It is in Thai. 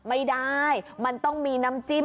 ไม่ได้มันต้องมีน้ำจิ้ม